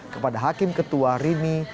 kepada hakim ketua rini